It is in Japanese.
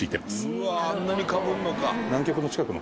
「うわっあんなにかぶるのか」